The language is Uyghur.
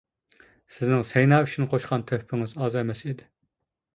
سىزنىڭ سەينا ئۈچۈن قوشقان تۆھپىڭىز ئاز ئەمەس ئىدى.